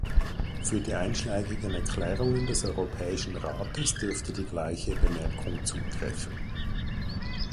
Für die einschlägigen Erklärungen des Europäischen Rates dürfte die gleiche Bemerkung zutreffen.